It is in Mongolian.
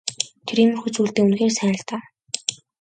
Тэр иймэрхүү зүйлдээ үнэхээр сайн л даа.